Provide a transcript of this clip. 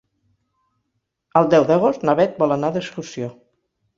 El deu d'agost na Beth vol anar d'excursió.